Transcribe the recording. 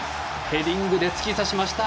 ヘディングで突き刺しました。